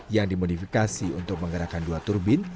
yang dimodifikasi untuk menggerakkan dua turbin